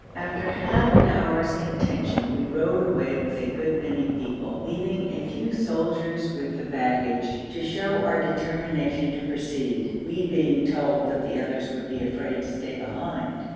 After half an hour's contention we rode away with a good many people, leaving a few soldiers with the baggage, to show our determination to proceed, we being told that the others would be afraid to stay behind.